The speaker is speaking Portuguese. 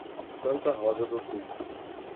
Santa Rosa do Sul